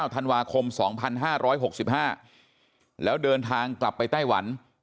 ธันวาคม๒๕๖๕แล้วเดินทางกลับไปไต้หวัน